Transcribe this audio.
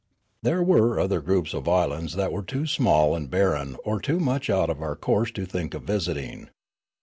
" There were other groups of islands that were too small and barren or too much out of our course to think of visiting.